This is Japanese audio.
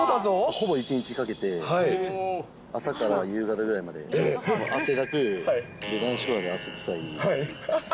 ほぼ１日かけて、朝から夕方ぐらいまで、汗だくで、男子校なので、汗臭い。